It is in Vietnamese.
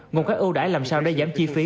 nguồn các ưu đại làm sao để giảm chi phí